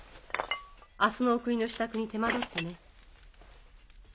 明日の送りの支度に手間どってね。